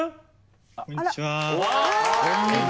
こんにちは。